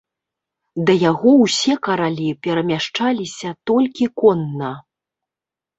Да яго ўсе каралі перамяшчаліся толькі конна.